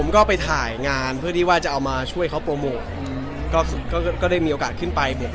ขายงานเพื่อที่ว่าจะเอามาไข้เค้าโปรโมทก็แล้วก็ได้มีโอกาสขึ้นไปเหมือนกับ